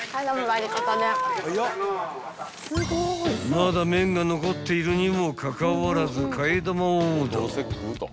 ［まだ麺が残っているにもかかわらず替玉オーダー］